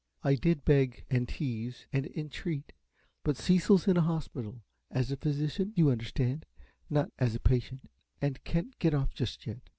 "I did beg, and tease, and entreat but Cecil's in a hospital as a physician, you understand, not as a patient, and can't get off just yet.